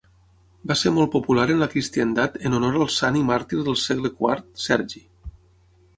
Va ser molt popular en la cristiandat en honor al sant i màrtir del segle IV Sergi.